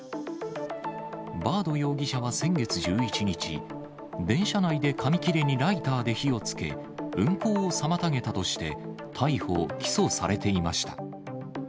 バード容疑者は先月１１日、電車内で紙切れにライターで火をつけ、運行を妨げたとして、逮捕・起訴されていました。